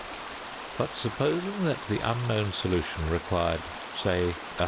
But supposing that the unknown solution required, say, 100.